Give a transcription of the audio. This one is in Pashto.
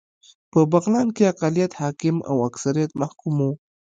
په بغلان کې اقلیت حاکم او اکثریت محکوم و